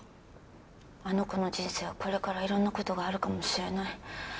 あの子の人生はこれからいろんな事があるかもしれない。